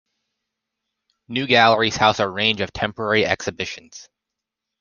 New galleries house a range of temporary exhibitions.